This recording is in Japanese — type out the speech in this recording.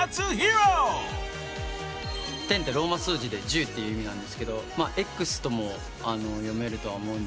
『Ｘ』ってローマ数字で１０って意味なんですけど「エックス」とも読めるとは思うんですけど